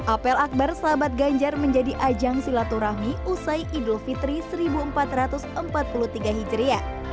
apel akbar sahabat ganjar menjadi ajang silaturahmi usai idul fitri seribu empat ratus empat puluh tiga hijriah